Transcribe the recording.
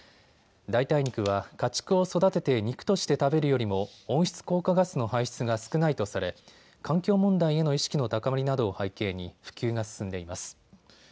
代替肉は家畜を育てて肉として食べるよりも温室効果ガスの排出が少ないとされ環境問題への意識の高まりなどを背景に普及が進んでいます。